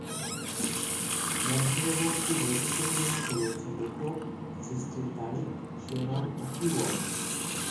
মধ্যবর্তী বৈশিষ্ট্যগুলির মধ্যে রয়েছে লেখক, সৃষ্টির তারিখ, শিরোনাম এবং কীওয়ার্ড।